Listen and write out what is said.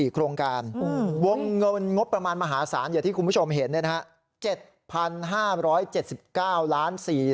๑๕๔๔โครงการวงเงินงบประมาณมหาศาลอย่างที่คุณผู้ชมเห็นนะฮะ